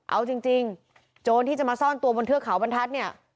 เอาจริงโจรที่จะมาซ่อนตัวบนเทือกเขาบรรทัศน์เนี่ย